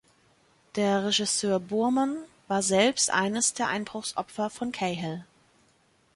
Der Regisseur Boorman war selbst eines der Einbruchsopfer von Cahill.